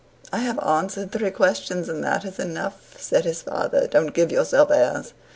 "I have answered three questions, and that is enough," Said his father. "Don't give yourself airs!